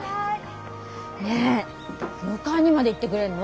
ねえ迎えにまで行ってくれんの？